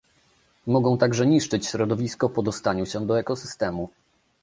Mogą także niszczyć środowisko po dostaniu się do ekosystemu